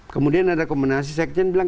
kemudian ada rekomendasi sekjen bilang